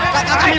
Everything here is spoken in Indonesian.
santai dong santai